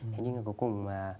thế nhưng mà cuối cùng